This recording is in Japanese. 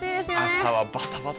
朝はバタバタ。